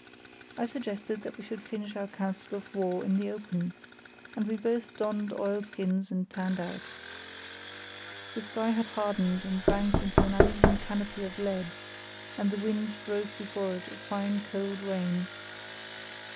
I suggested that we should finish our council of war in the open, and we both donned oilskins and turned out. The sky had hardened and banked into an even canopy of lead, and the wind drove before it a fine cold rain.